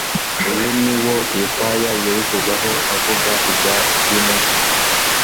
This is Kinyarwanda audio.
Uyu ni wo Yesaya yerekezaho avuga ibya vino nshya,